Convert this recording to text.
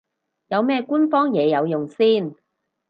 有咩官方嘢有用先